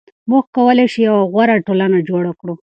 موږ کولای شو یوه غوره ټولنه جوړه کړو.